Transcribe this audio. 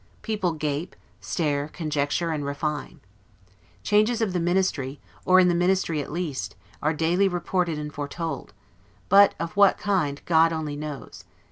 People gape, stare, conjecture, and refine. Changes of the Ministry, or in the Ministry at least, are daily reported and foretold, but of what kind, God only knows.